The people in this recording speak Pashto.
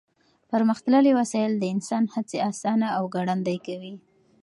پرمختللې وسایل د انسان هڅې اسانه او ګړندۍ کوي.